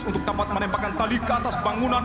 untuk dapat menembakkan tali ke atas bangunan